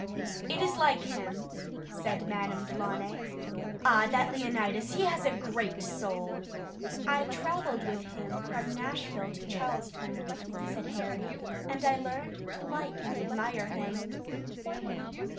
"It is like him," said Madame Delaunay. "Ah, that Leonidas, he has a great soul!" "I travelled with him from Nashville to Charleston," said Harry, "and I learned to like and admire him."